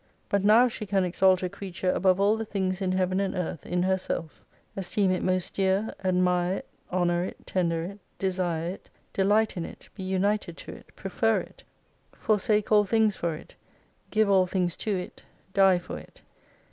But now she can exalt a creature above all the things in Heaven and Earth, in herself : esteem it most dear, admire it, honour it, tender it, desire it, delight in it, be united to it, prefer it, forsake all things 304 for it, give all things to it, die for it.